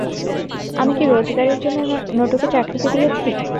আমি কি রোজগারের জন্য নোটোকে চাকরিতে দিয়াছি?